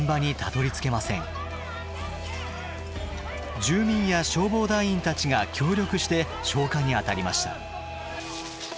住民や消防団員たちが協力して消火にあたりました。